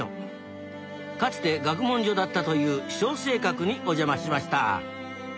かつて学問所だったという「松聲閣」にお邪魔しました